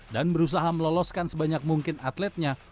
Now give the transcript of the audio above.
dan berusaha meloloskan sebanyak mungkin atletnya